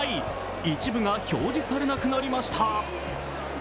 一部が表示されなくなりました。